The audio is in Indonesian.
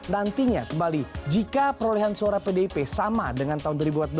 nantinya kembali jika perolehan suara pdip sama dengan tahun dua ribu empat belas